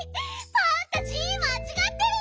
パンタ字まちがってる！